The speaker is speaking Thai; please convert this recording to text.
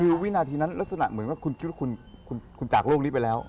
คือวินาทีนั้นลักษณะเหมือนว่าคุณคิดว่าคุณจากโลกนี้ไปแล้ว